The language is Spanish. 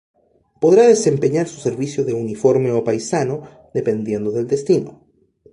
Podrá desempeñar su servicio de uniforme o paisano, dependiendo del destino.